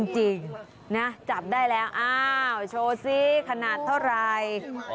จริงจับได้แล้วโชว์สิขนาดเท่าไร